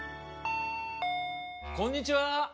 ・・こんにちは。